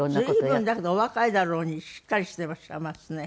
随分だけどお若いだろうにしっかりしていらっしゃいますね。